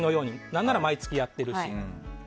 何なら毎月やってるし。